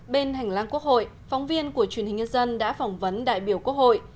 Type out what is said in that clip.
bên hành lang quốc hội phóng viên của truyền hình nhân dân đã phỏng vấn đại biểu quốc hội